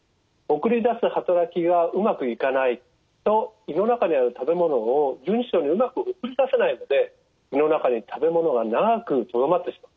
送り出すはたらきがうまくいかないと胃の中にある食べ物を十二指腸にうまく送り出せないので胃の中に食べ物が長くとどまってしまう。